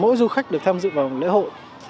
mỗi du khách được tham dự vào lễ hội